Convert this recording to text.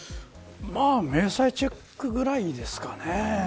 明細チェックぐらいですかね。